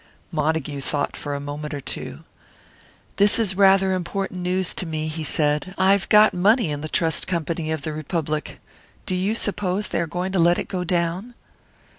Montague thought for a moment or two. "This is rather important news to me," he said; "I've got money in the Trust Company of the Republic. Do you suppose they are going to let it go down?"